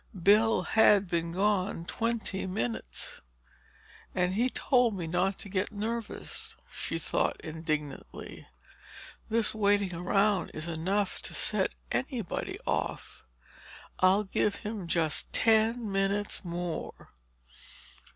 Bill had been gone twenty minutes. "And he told me not to get nervous," she thought indignantly. "This waiting around is enough to set anybody off—I'll give him just ten minutes more!"